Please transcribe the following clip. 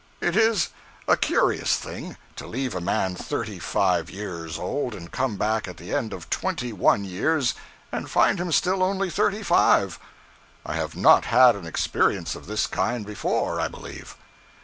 It is a curious thing, to leave a man thirty five years old, and come back at the end of twenty one years and find him still only thirty five. I have not had an experience of this kind before, I believe.